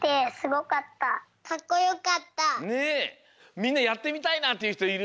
みんなやってみたいなっていうひといる？